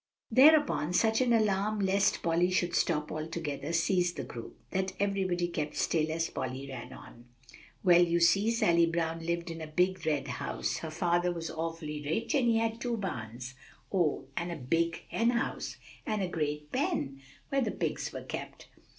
Thereupon such an alarm lest Polly should stop altogether seized the group, that everybody kept still as Polly ran on, "Well, you see, Sally Brown lived in a big red house; her father was awfully rich, and he had two barns oh! and a big henhouse, and a great pen, where the pigs were kept."